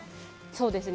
そうですね。